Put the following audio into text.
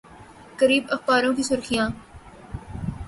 قریب اخباروں کی سرخیاں